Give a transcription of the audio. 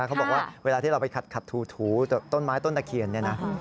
เขาบอกว่าเวลาที่เราไปขัดถูต้นไม้ต้นอเขียน